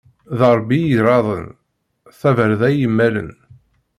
D Ṛebbi i iraden, d tabarda i yemmalen.